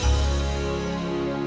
mereka sudah tidak bernyawa whoop